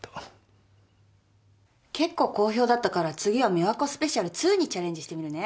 結構好評だったから次は美和子スペシャル２にチャレンジしてみるね。